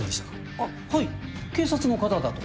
あっはい警察の方だと。